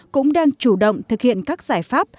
cũng đang chủ động thực hiện các giải pháp